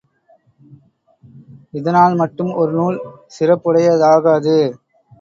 இதனால் மட்டும் ஒரு நூல் சிறப்புடையதாகாது.